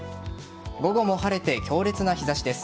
午後も晴れて強烈な日差しです。